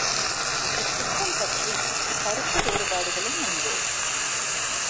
இத்திட்டம் பற்றிக் கருத்து வேறுபாடுகளும் உண்டு.